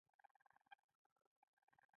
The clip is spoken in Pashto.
موږ ته دوولس توپونه په لاس راغلل.